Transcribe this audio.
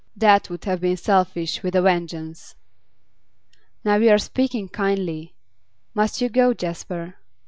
That would have been selfish with a vengeance.' 'Now you are speaking kindly! Must you go, Jasper?